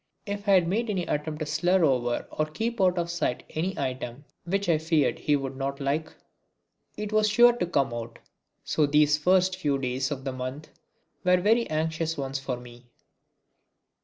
If I made any attempt to slur over or keep out of sight any item which I feared he would not like, it was sure to come out. So these first few days of the month were very anxious ones for me.